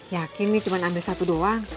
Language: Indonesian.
yakin nih cuma ambil satu doang